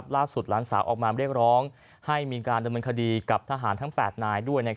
หลานสาวออกมาเรียกร้องให้มีการดำเนินคดีกับทหารทั้ง๘นายด้วย